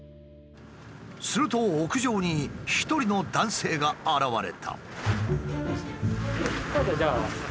すると屋上に一人の男性が現れた。